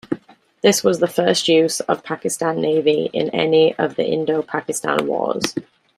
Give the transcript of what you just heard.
This was the first use of Pakistan Navy in any of the Indo-Pakistan Wars.